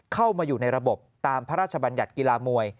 เข้ามาอยู่ในระบบตามพระราชบัญญัติกีฬามวย